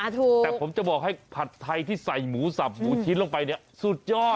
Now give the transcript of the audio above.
แต่ผมจะบอกให้ผัดไทยที่ใส่หมูสับหมูชิ้นลงไปเนี่ยสุดยอด